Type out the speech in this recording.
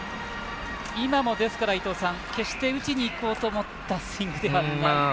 今も伊東さん、決して打ちにいこうと思ったスイングじゃない。